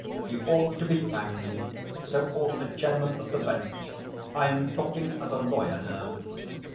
'He ought to be hanged. So ought the Chairman of the Bench. I'm talking as a lawyer now.'